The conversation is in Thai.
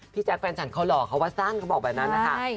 แจ๊คแฟนฉันเขาหล่อเขาว่าสั้นเขาบอกแบบนั้นนะคะ